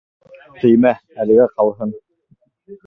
Теймә, әлегә ҡалһын.